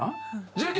１９。